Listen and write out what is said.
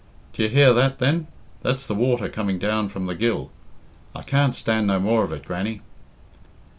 D'ye hear that, then? That's the water coming down from the gill. I can't stand no more of it, Grannie."